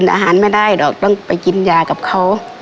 อาหารไม่ได้หรอกต้องไปกินยากับเขา